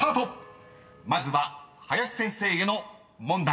［まずは林先生への問題］